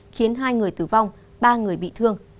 khiến hai người tử vong ba người bị thương